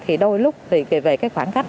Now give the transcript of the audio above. thì đôi lúc thì về khoảng cách